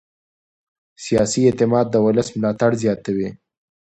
سیاسي اعتماد د ولس ملاتړ زیاتوي